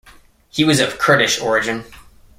He was of Kurdish origin.